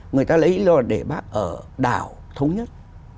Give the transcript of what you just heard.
người ta lấy để bác ở đảo thống nhất